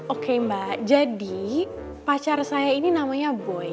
oke mbak jadi pacar saya ini namanya boy